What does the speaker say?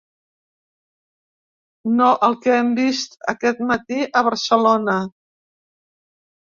No el que hem vist aquest mati a Barcelona.